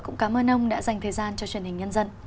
cũng cảm ơn ông đã dành thời gian cho truyền hình nhân dân